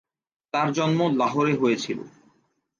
তার জন্ম লাহোরে হয়েছিলো।